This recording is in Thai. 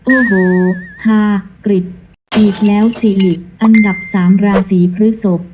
โอ้โหฮากริจอีกแล้วสิริอันดับ๓ราศีพฤศพ